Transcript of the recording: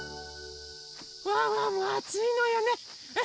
ワンワンもあついのよね。